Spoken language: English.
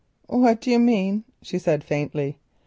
"What do you mean?" she said faintly.